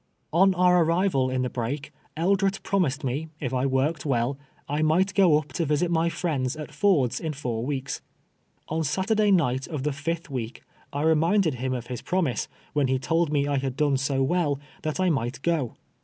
On our arrival in the brake, Eldret promised me, if I worked well, 1 might go up to visit my friends at Ford's in four weeks. On Saturday night of the iifth week, I reminded him of his promise, when he told me I had done so Avell, that I might go.